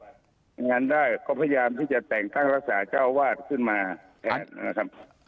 อย่างนั้นได้ก็พยายามที่จะแต่งท่านรักษาเจ้าวาดขึ้นมาแทนนะครับ